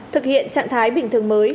thực hiện trạng thái bình thường mới